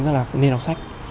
rằng là nên đọc sách